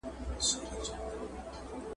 په فيوډاليزم کي يوازې ځانګړې ډلې واک درلود.